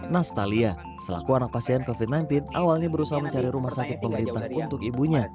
nastalia selaku anak pasien covid sembilan belas awalnya berusaha mencari rumah sakit pemerintah untuk ibunya